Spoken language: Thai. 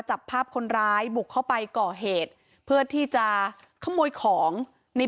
จับภาพคนร้ายบุกเข้าไปก่อเหตุเพื่อที่จะขโมยของใน